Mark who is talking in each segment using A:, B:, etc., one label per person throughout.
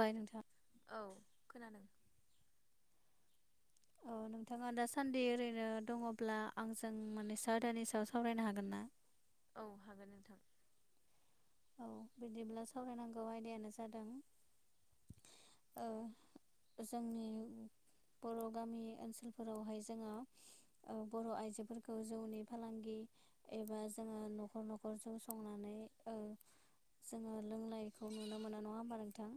A: बाय नोंथां
B: औ खोनादों।
A: औ। नोंथाङा दा सान्दि ओरैनो दङब्ला आंजों माने सा आदानि सायाव सावरायनो हागोन ना?
B: औ हागोन नोंथां।
A: औ बिदिब्ला सावरायनांगौ आयदायानो जादों ओ जोंनि। बर' गामि ओनसोलफोरावहाय जोङो ओ बर' आइजोफोरखौ जौनि फालांगि एबा जोङो न'खर न'खरजौ संनानै जोङो लोंनायखौ नुनो मोनो नङा होमबा नों नोंथां।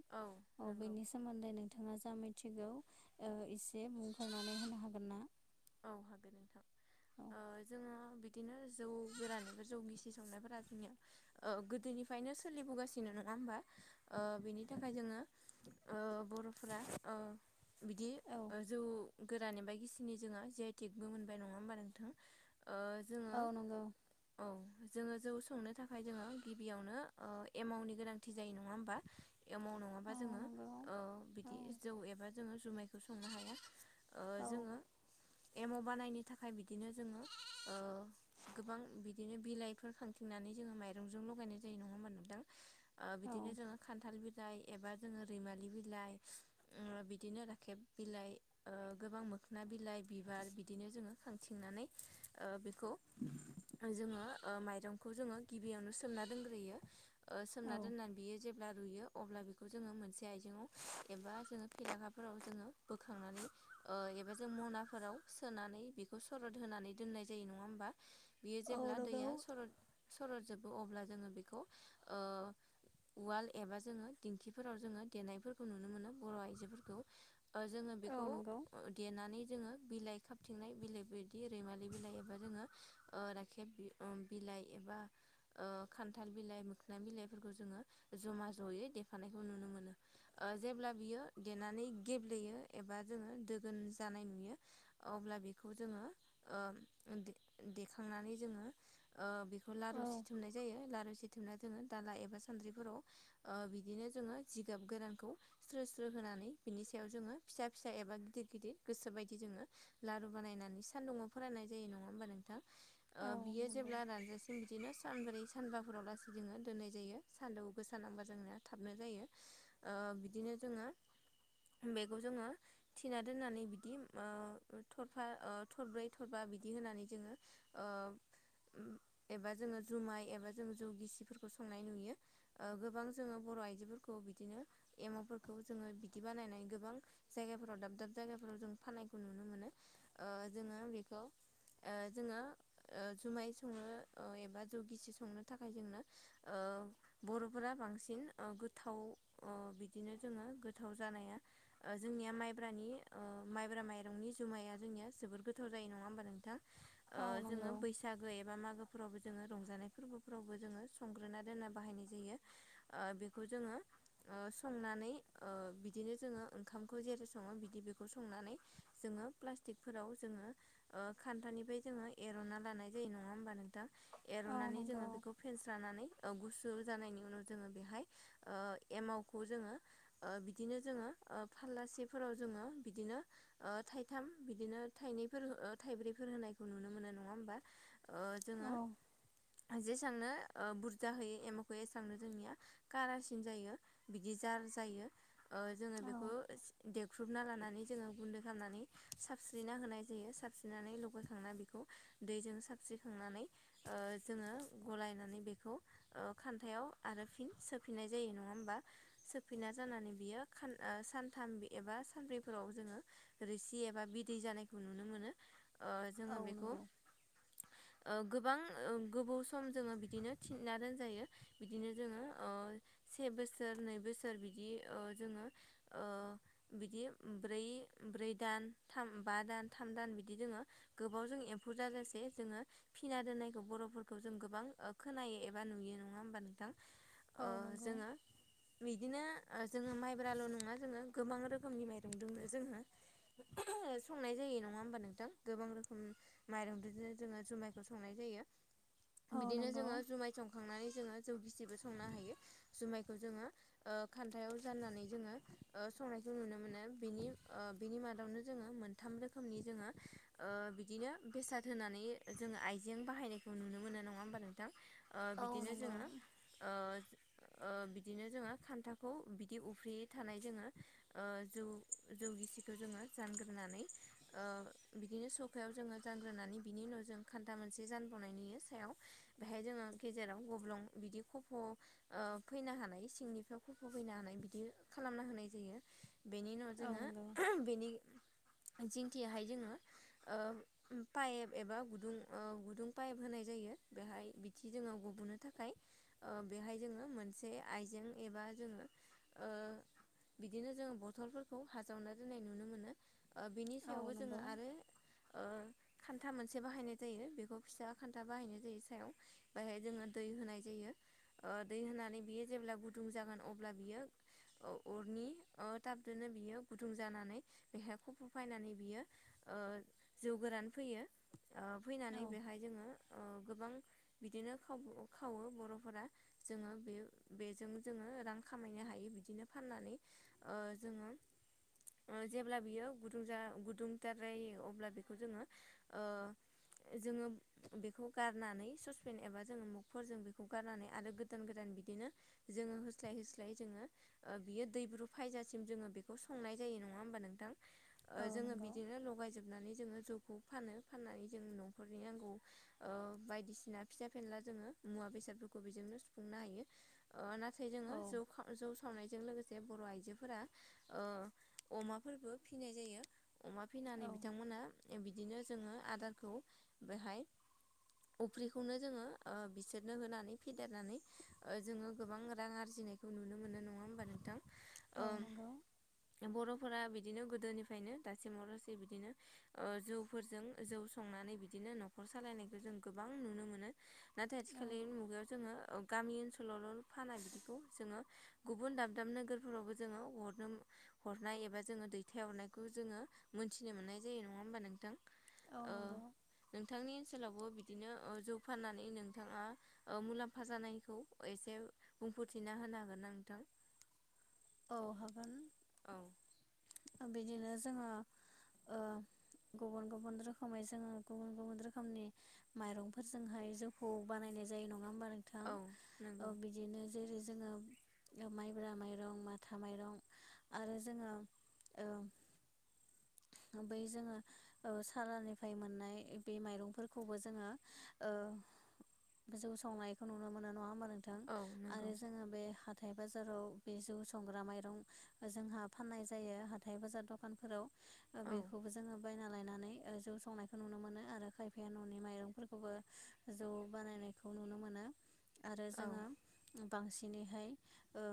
A: औ बेनि सोमोन्दै नोंथाङा जा मिथियो थिगौ एसे मखांनानै होनो हागोन ना?
B: औ हाागोन नोंथां।
A: औ
B: ओ जोङो बिदिनो जौ गोरानि एबा जौ गिसि संनायफोरा जोंनिया ओ गोदोनिफ्राय फ्रायनो सोलिबोगासिनो नङा होमबा? ओ बिनि थाखाय जोङो ओ बर'फोरा ओ बिदि
A: औ
B: ओ जौ गोरान एबा गिसिनि जोङो जि आइ थकबो मोनबाय नङा होमबा नोंथां? ओ जोङो
A: औ नंगौ।
B: औ जोङो जौ संनो थाखाय जोङो गिबियावनो ओ एमाउनि गोनांथि जायो नङा होमबा? एमाव नङाबा
A: औ
B: जोङो
A: नंगौ
B: ओ
A: औ
B: बिदि जौ एबा जोङो जुमायखौ संनो हाया ओ
A: औ
B: जोङो एममाव बानायनो थाखाय बिदिनोओ जोङो गोबां बिदिनो बिलाइफोर खांथि नानै जोङो माइरंजों लगायनाय जायो नङा होमबा नोंथां ओ
A: औ
B: बिदिनो जोङो खान्थाल बिलासपुर एबा जो रैमालि बिलाइ ओ बिदिनो राखेब बिलाइ ओ गोबां मोन मोखोना बिलाइ बिबार बिदिनो जोङो खांथिंनानै ओ बेखौ जोङो ओ माइरंखौ जोङो गिबियावनो सोमना दोनग्रोयो ओ सोमना
A: औ
B: दोनना ओ बियो जेब्ला जेब्ला रुयो अब्ला बेखौ जोङो मोनसे आइजेंआव एबा जोङो फेलाखााफोराव जोङो बोखांनानै ओ एबा ओ जों मनाफोराव सोनानै बेखौ सरद होनानै दोननाय जायो नङा होमबा? बियो
A: औ
B: जेब्ला
A: नंगौ
B: दैया सरद सरदजोबो अब्ला, जोङो बेखौ ओ उवाल एबा जोङो दिंखिफोराव जोङो देनायफोरखौ नुनो मोनो बर' आइजोफोरखौ। ओ जोङो
A: औ
B: बेखौ
A: नंगौ
B: देनानै जोङो बिलाइ खाबथिंनाय बिलाइफोर बिदि रैमालि बिलाइ एबा जोङो ओ ओम राखेब बिलाइ एबा ओ खान्थाल बिलाइ मोखोनां बिलाइफोरखौ जोङो ज'मा ज'यै देफानायखौ नुनो मोनो। जेब्ला बियो देनानै गेब्लेयो एबा जोङो दोगोन जानाय नुयो।
A: [inaudible]
B: अब्ला बेखौ जोङो खौ
A: औ
B: लारु सिथुमनाय जायो लारु सि थेबना दोङो दाला एबा सानद्रिफोराव ओ बिदिनो जोङो जिगाब गोरानखौ स्रो स्रो होनानै बिनि सायाव जोङो फिसा फिसा एबा गिदिर गिदिर गोसो बायदि दि जोङो लारु बानायनानै सानदुाव फोराननाय जायो नङा होमबा नोंथाङा?
A: औ
B: ओ बियो
A: नंगौ
B: जेब्ला रानजासिम बिदिनो सानब्रै सा सानबाफोराव लासै जोङो दोननाय जायो सान्दुं गोसा नांबा जोंनाया थाबनो जायो। ओ बिदिनो जोङो बेखौ जोङो थिना दोननानै बिदि ओ थरफा ओ थरब्रै थरफा बिदि होनानै जोङो ओ' उम एबा जोङो जुमाइ एबा जों जौ गिसिफोरखौ संनाय नुयो ओ गोबां जोङो बर' बर' आइजोफोरखौ बिदिनो एमावफोरखौ जोङो बिदि बानायनाय गोबां जायगाफोराव दाब दाब जायगाफोराव जों फानखौ नुनो मोनो ओ जोङोओ बेखौ ओ जोङो ओ जुमाय संनो ओ एबा जौ गिसि संनो थाखाय जोंनो ओ ओ बर'फोरा बांसिन ओ गोथाव ओ बिदिनो जोङो गोथाव जानाया ओ जोंनिया माइब्रानि ओ माइब्रा माइरंनि जुमाया जोंनिया जोबद गोथाव जायो नङा होमबा नोंथां? ओ
A: औ नंगौ
B: जोङो बैसागो एबा मागो फोरावबो जोङो रंजानाय फोरबोफोरावबो जोङो संग्रोना दोना बाहायनाय जायो। ओ बेखौ जोङो ओ संनानै ओ बिदिनो जोङो ओंखामखौ जेरै सङो बिदि बेखौ सं संनानै जोङो प्लसथिकफोर आव जोङो ओ खान्थनिफ्राय जोङो एरना लानाय जायो नङा होमबा नोंथां?
A: औ
B: एर'नानै
A: नंगौ
B: जोङो बेखौ फेनस्रनानै गुसु जानायनि उनाव जोङो बेहाय ओ एमावखौ जोङो ओ बिदिनो जोङो ओ फालासिफोराव जोङो बिदिनो ओ थाइथाम बिदिनो थाइनैफोर ओ थाइब्रैफोर होनायखौ नुनो मोनो नङा होमबा? ओ जोङो
A: औ
B: जेसेबांनो ओ बुरजा होययो एमखो होयो एसबांनो जोंनिया कारासिन जायो बिदि जा जायो ओ जों
A: औ
B: बेखौ देख्रुबना लानानै जोङा गुन्दै खालामनानै सारस्रिना होनया जायो सरास्रिना लगायखांना बेखौ दैजों स्रिखांनानै जोङो गलायनानै बेखौ खान्थायाव आरो फिन सो फिनाय जायो नङा होमबा सफैना जानानै बि ओ सानथाम एबा सब्रै फोराव जोङो रोसि एबा बिदै जानायखौ नुनो मोनो। ओ जोङो
A: औ
B: बेखौ
A: नंगौ
B: ओ गोबां गोबौ सम जोङो बिदिनो थिनना दोनजायो बिदिनो जोङो ओ से बोसोर नै बोसोर बिदि ओ जोङो ओ बिदि ब्रै ब्रै दान थाम बा दान थाम दान बिदि दोङो गोबाव जों एम्फै जाजासे बे जोङो फिना दोन्नायखौ बर'फोरखौ जों गोबां ओ खोनायो एबा नुयो नङा होमबा नोंथां?
A: औ
B: ओ
A: नंगौ
B: जोङो [unintelligible] बिदिनो जोङो माइब्राल' नङा जोङो गोबां रोखोमनि माइरं दङो जोङो संनाय जायो नङा होमबा नोंथां? गोबां रोखोम माइरं बिदिनो जोङो जुमाइखौ संनाय जायो।
A: औ
B: बिदिनो
A: नंगौ
B: जोङो जुमाय संखांनानै जोङो जौ गिसि संनो हायो जौखौ जोङो खान्दा साननानै जों ओ संनायखौ नुनो मोनो। बेनि ओ बिनि मादावनो जोङो मोनथाम रोखोमनि जोङो ओ बिदिनो बेसाद होनानै जोङो आइजें बाहायनायखौ नुनो मोनो नङा होमबा नोंथां? ओ
A: औ नंगौ औ
B: बिदिनो
A: नंगौ
B: जोङो ओ ओ बिदिनो जोङो खान्थाखौ बिदि उफ्रियै थानाय जोङो ओ जौ जौगिसिखौ जोङो जानग्रोनानै ओ बिदिनो सखायाव जोङो जानग्रोनानै बिनि जनाव जों खान्था मोनसे जानबावनाय नुयो सायाव बेहाय जोङो गेजेराव गब्लं बिदि खफ' ओ फैनो हानाय सिंनिफ्राय खुफा फैनो हानाय बिदि खालामना होनाय जायो बेनि उनाव
A: औ
B: जोङो
A: नंगौ
B: बेनि जिंखियाहाय जोङो पाइप एबा गुदुं गुदुं पाइप होनाय जायो बेवहाय बिदि गब'नो ओ बहाय जोंङो मोनसे आइजें एबा दा जोङो ओ
A: [inaudible]
B: बिदिनो जोङो बथलफोर खौ हाजावना दोन्नाय नुनो मोनो ओ बिनि
A: औ
B: सायावबो जोङो
A: नंगौ
B: आरो ओ खान्था मोनसे बाहायनाय जायो बेखौ फिसा खान्था बाहायनाय जायो सायाव बेायहाय जोङो दै होनाय जायो। ओ दै होनानै बियो जेब्ला गुदुं जागोन अब्ला बियो अ-अरनि ओ दाब बिदिनो बियो गुदुं जानानै बेहाय खफ' फायनानै बियो ओ जौ गोरान फैयो। ओ
A: औ
B: फैनानै बेहाय जोङो ओ गोबां बिदिनो खाव-खावो बर'फोरा जोङो बे बेजों जोङो रां खामायनो हायो बिदिनो फाननानै ओ जोङो ओ जेब्ला बियो गुदुं जा गुदुं जाद्रायो अब्ला बेखौ जोङो ओ जोङो बेखौ गारनानै ससपेन एबा जोङो मुगफोरजों बेखौ गारनानै आरो गोदान गोदान बिनो जोङो होसलाय होसलाय जोङो ओ दैब्रु फैयजा सिम बेखौ संनाय जायो नङा हबा नोंथां
A: औ
B: जोंङो
A: नंगौ
B: बिदिनो लगायोबनानै जोङो जौखौ फानो फाननानै जों न'खरनि नांगौ ओ बायदिसिना फिसा फेनला जोङो मुवा बेसादफोरखौ बेजोंनो सुफुंनो हायो ओ ना थाय
A: औ
B: जोङो जौ खा- जौ सावनायजों लोगोसे बर' आइजो फोरा ओ अमाफोरबो फिनाय जायो अमा फिनानै बिथांमोना बिदिनो जोङो आदारखौ बेहाय अफ्रिखौनो जोङो ओ बिसोरनो होनानै फेदेरनानै ओ जोङो गोबां रां आरजि नायखौ नुनो मोनो नंङा होनब्ला नोंथां ओ बर' फोर बिदिनो गोदोनिफ्रायनो दासिमाव लासै बिदिनो ओ जौफोरजों जौ संनानै बिदिनो बिदिनो न'खर सालायनायखौ जों गोबां नुनो मोनो नाथाय आथिखाल मुगायाव जोङो गामि ओनसोलावल' फाना बिदिखौ जोङो गुबुन दाब दाब नोगोरफोरावबो जोङो हरनो हरनाय एबा जोङो दैथायहरनायखौ जोङो मोनथिनो मोननाय जायो नङा होमबा नोंथां ओ
A: नंगौ
B: नोंथांनि ओनसोलावबो बिदिनो जौ फाननानै नोंथाङा ओ मुलाम्फा जानायखौ एसे बुंफोरथिना होनो हागोन ना नोंथां
A: औ हागोन
B: औ
A: बिदिनो जोङो ओ गुबुन गुबुन रोखोमै जोङो गुबुन गुबुन रोखोमनि माइरंफोरजोंहाय जौखौ बानायनाय जायो नङा। होमबा नोंथां
B: औ
A: औ
B: नंगौ
A: बिदिनो जेरै जोङो माइब्रा माइरं मा था माइरं आरो जोङो ओ बै जोङो ओ सालानिफ्राय मोननाय बे माइरंफोरखौबो जोङो ओ जौ सावनायखौ नुनो मोनो नङा होमबा नोंथां
B: औ नंगौ
A: आरो जोङो बे हाथाय बाजाराव बे जौ जौ संग्रा माइरं जोंहा फाननाय जायो हाथाइ बाजार दखानफोराव
B: औ
A: बेखौबो जोङो बायना लायनानै जौ संनायखौ नुनो मोनो आरो खायफाया न'नि माइरंफोरखौबो जौ बानायनायखौ नुनो मोनो आरो
B: औ
A: जोङो बांसिनैहाय ओ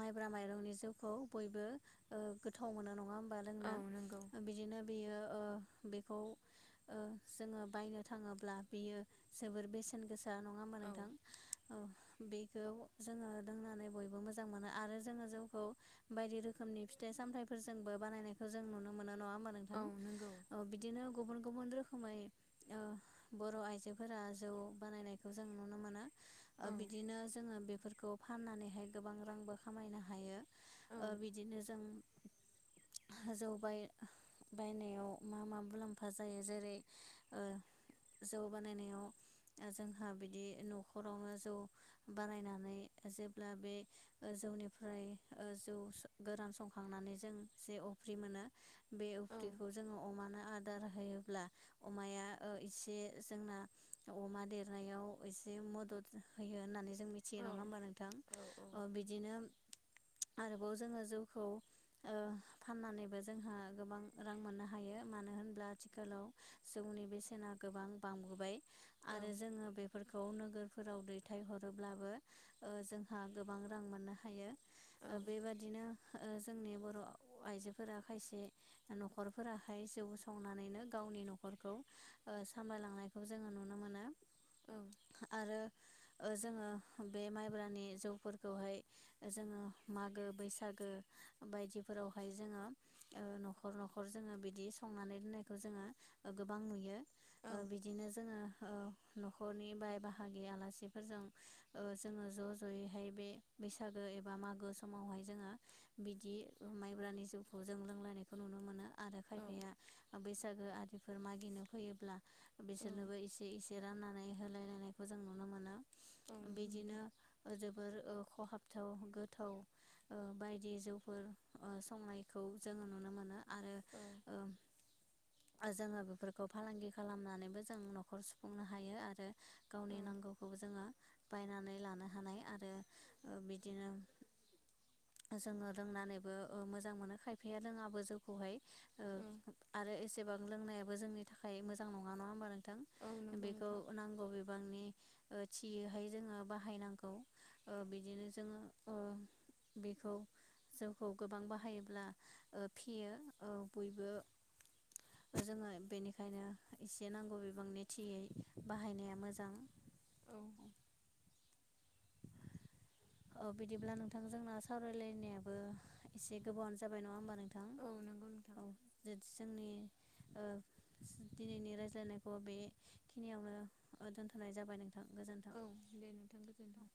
A: माइब्रा माइरंनि जिउखौ बयबो ओ गोथाव मोनो नङा बा
B: औ
A: लोंना
B: नंगौ
A: बिदिनो बेयो ओ बेखौ ओ जोङो बायनो थाङोब्ला बियो जोबोर बेसेन गोसा नङा होमबा
B: औ
A: नोंथां औ बेखौ जोङो लोंनानै बयबो मोजां मोनो आरो जोङो जौखौ बायदि रोखोमनि फिथाइ सामथफोरजोंबो बानायनायखौ जों नुनो मोनो नङा हबा नोंथां
B: औ नंगौ
A: बिदिनो गुबुन गुबु गुबुन रोखोमै ओ बर' आइजोफोरा जौ बानायनायखौ जों नुनो मोना
B: औ
A: बिदिनो जोङो बेफोरखौ फाननानैहाय गोबां रांबो खामायनो हायो
B: औ
A: ओ बिदिनो जों जौबाय बायनायाव मा मा मुलाम्फा जायो जेरै ओ जौ बानायनायाव जोंहा बिदि न'खरावनो जौ बानायनानै जेब्ला बे जौनिफ्राय जौ गोरान संखांनानै जों जे अफ्रि मोनो बे
B: औ
A: अफ्रिखौ जोङो अमानो आरो आदार होयोब्ला अमाया एसे जोंना अमा देरनायाव एसे मदद होयो होननानै जों मिथियो
B: औ
A: नङा हबा नोंथां
B: औ
A: बिदिनो जोङो जौखौ फाननानैबो जोंहा गोबां रां मोननो हायो मानो होनब्ला आथिखालाव जौनि बेसेना गोबां बांबोबाय आरो जोङो बेफोरखौ गाव नोगोरफोराव दैथायहरोब्लाबो ओ जोंहा गोबां रां मोननो हायो। बेबादिनो ओ जोंनि बर' आइजोफोरा खायसे न'खरफोराहाय जौ संनानैनो गावनि न'खरखौ सामलायलांनायखौ जोङो नुनो मोनो आरो। जोङो बे माइब्रानि जौफोरखौहाय जोङो मागो बैसागो बायदि फोरावहाय जोङो ओ न'खर न'खर जोङो बिदि संनानै दोननायखौ जोङो गोबां नुयो। ओ बिदिनो जोङो ओ न'खरनि बाय बाहागि आलासिफोरजों ओ जोङो ज' ज'यैहाय बे बैसागो एबा मागो समावहाय जोङो बिदि माइब्रानि जौखौ जों लोंलायनायखौ नुनो मोनो आरो खायफाया बे बैसागो आरिफोर मागिनो फैयोब्ला बिसोरनोबो एसे एसे रानना नै होलायलायनायखौ जों नुनो मोनो बिदिनो जोबोर ओ खहाबथाव गोथाव ओ बायदि जौफोर संनायखौ जोङो नुनो मोनो आ
B: औ
A: [inaudible] जोङो बेफोरखौ फालांगि खालामनानैबो जों न'खर सुफुंनो हायो आरो गावनि नांगौखौ जोङो बायनानै लानो हानाय आरो बिदिनो जोङो रोंनानै बो ओ मोजां मोनो खायफाया रोङाबो जौखौहाय ओ आरो एसेबा लोंनायाबो जोंनि थाखाय मोजां नङा नङा होमबा नोंथां
B: औ नंगौ
A: बेखौ
B: नोंथां
A: नांगौ बिबांनि थियैहाय जोङो बाहायनांगौ ओ बिदिनो जोङो ओ बेखौ जों खौ गोबां बाहायोब्ला फेयो ओ बयबो जोङो बेनिखायनो एसे नांगौ बिबांनि थियै बाहायनाया मोजां
B: औ
A: [inaudible] अ बिदिब्ला नोंथां जोंना सावरायलायनायाबो एसे गोबावानो जाबाय नङा होमबा नोंथां
B: औ नंगौ औ नंगौ नोंथां
A: औ जो जोंनि ओ दिनैनि रायलायनायखौ बेखिनियावनो ओ दोनथ'नाय जाबाय नों
B: औ दे नोंथां गोजोन्थों